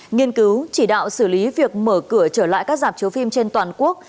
nghiên cứu chỉ đạo xử lý việc mở cửa trở lại các giảm chiếu phim trên toàn quốc